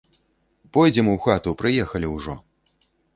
Пойдзем у хату, прыехалі ўжо.